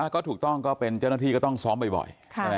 ก็ถูกต้องก็เป็นเจ้าหน้าที่ก็ต้องซ้อมบ่อย